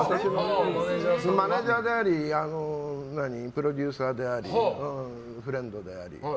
マネジャーでありプロデューサーでありフレンドであり。